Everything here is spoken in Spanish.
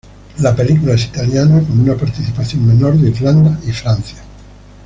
La película es italiana con una participación menor de Irlanda y Francia.